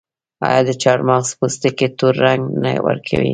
آیا د چارمغز پوستکي تور رنګ نه ورکوي؟